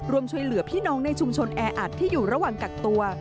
ช่วยเหลือพี่น้องในชุมชนแออัดที่อยู่ระหว่างกักตัว